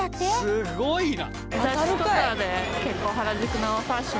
すごいな。